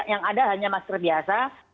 yang ada hanya masker biasa